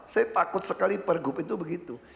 saya takut sekali pergub itu begitu